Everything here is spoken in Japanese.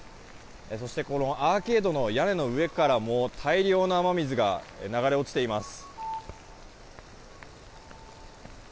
そしてアーケードの屋根の上からも大量の雨水が流れ落ちています。